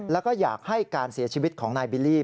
แล้วก็อยากให้การเสียชีวิตของนายบิลลี่